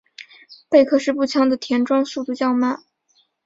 贝克式步枪的填装速度较慢。